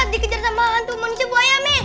dikejar sama hantu manusia buaya mi